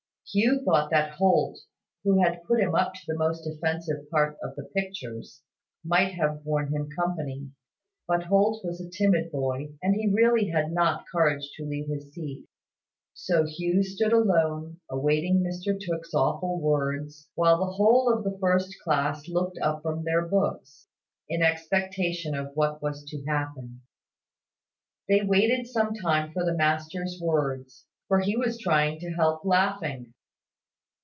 Hugh thought that Holt, who had put him up to the most offensive part of the pictures, might have borne him company; but Holt was a timid boy, and he really had not courage to leave his seat. So Hugh stood alone, awaiting Mr Tooke's awful words, while the whole of the first class looked up from their books, in expectation of what was to happen. They waited some time for the master's words; for he was trying to help laughing.